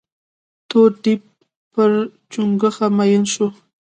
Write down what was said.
تور ديب پر چونگوښه مين سو.